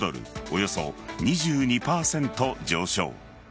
およそ２２％上昇。